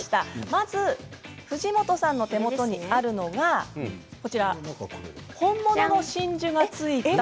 まず藤本さんの手元にあるのが本物の真珠がついた。